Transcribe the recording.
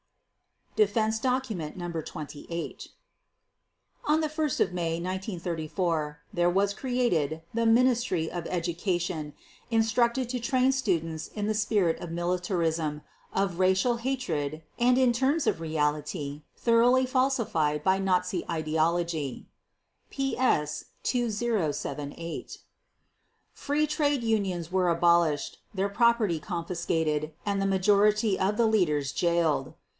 (Defense Document Number 28) On 1 May 1934 there was created the Ministry of Education instructed to train students in the spirit of militarism, of racial hatred, and in terms of reality thoroughly falsified by Nazi ideology (PS 2078). Free trade unions were abolished, their property confiscated, and the majority of the leaders jailed.